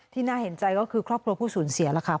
น่าเห็นใจก็คือครอบครัวผู้สูญเสียล่ะค่ะ